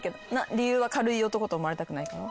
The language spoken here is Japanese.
理由は軽い男と思われたくないから？